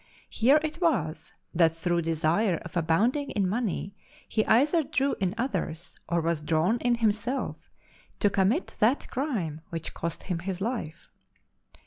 Here it was that through desire of abounding in money he either drew in others, or was drawn in himself to commit that crime which cost him his life.